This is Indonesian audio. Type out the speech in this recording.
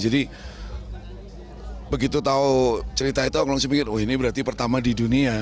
jadi begitu tahu cerita itu orang orang sepikir oh ini berarti pertama di dunia